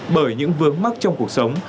bởi những vướng mắc trong cuộc sống